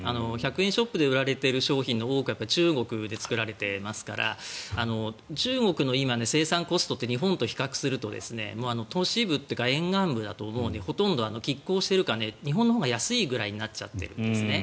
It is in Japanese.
１００円ショップで売られている商品の多くは中国で作られていますから中国の今、生産コストって日本と比較すると都市部というか沿岸部だとほとんどきっ抗しているか日本のほうが安いぐらいになっちゃってるんですね